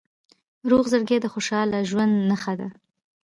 روغ زړګی د خوشحال ژوند نښه ده.